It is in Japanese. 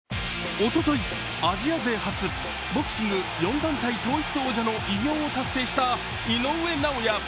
おととい、アジア勢初ボクシング４団体統一王者の偉業を達成した井上尚弥。